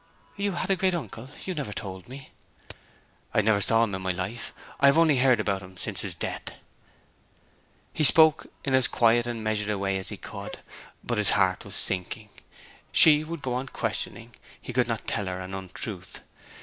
'You had a great uncle? You never told me.' 'I never saw him in my life. I have only heard about him since his death.' He spoke in as quiet and measured a way as he could, but his heart was sinking. She would go on questioning; he could not tell her an untruth.